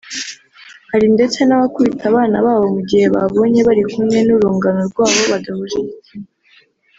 Hari ndetse n’abakubita abana babo mu gihe babonye bari kumwe n’urungano rwabo badahuje igitsina